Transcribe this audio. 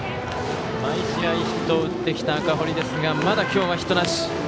毎試合、ヒットを打ってきた赤堀ですがまだ今日はヒットなし。